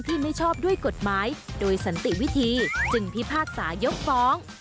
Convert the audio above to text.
ไม่ชอบด้วยกฎหมายโดยสันติวิธีจึงพิพากษายกฟ้อง